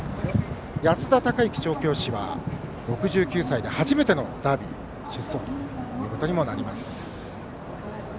安田隆行調教師は６９歳で初めてのダービー出走馬ということになります。